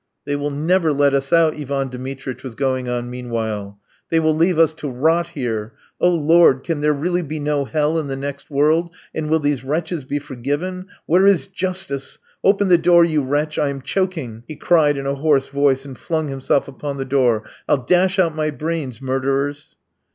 "They will never let us out," Ivan Dmitritch was going on meanwhile. "They will leave us to rot here! Oh, Lord, can there really be no hell in the next world, and will these wretches be forgiven? Where is justice? Open the door, you wretch! I am choking!" he cried in a hoarse voice, and flung himself upon the door. "I'll dash out my brains, murderers!"